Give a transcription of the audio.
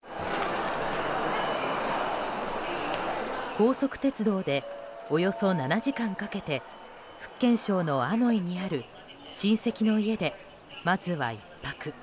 高速鉄道でおよそ７時間かけて福建省のアモイにある親戚の家でまずは１泊。